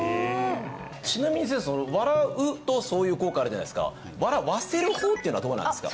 ちなみに先生笑うとそういう効果あるじゃないですか笑わせる方っていうのはどうなんですか？